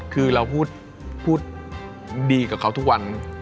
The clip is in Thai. คือเราพูดดีกับเขาทุกวัน